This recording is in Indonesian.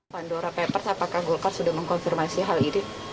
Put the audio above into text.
pandora papers apakah golkar sudah mengkonfirmasi hal ini